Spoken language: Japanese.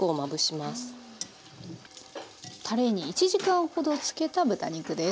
たれに１時間ほど漬けた豚肉です。